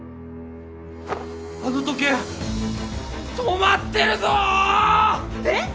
あの時計止まってるぞぉ！え！？